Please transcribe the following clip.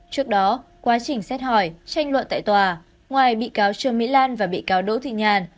trước đó quá trình xét hỏi tranh luận tại tòa ngoài bị cáo trương mỹ lan và bị cáo đỗ thị nhàn